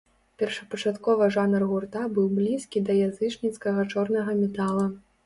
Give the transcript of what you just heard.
Першапачаткова жанр гурта быў блізкі да язычніцкага чорнага метала.